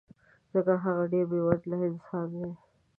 ځکه هغه ډېر بې وزله انسان دی